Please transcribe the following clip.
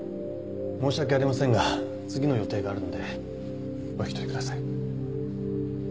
申し訳ありませんが次の予定があるのでお引き取りください。